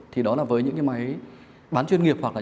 thì đó là với những cái máy bán chuyên nghiệp hoặc là